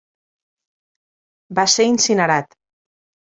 Va ser incinerat.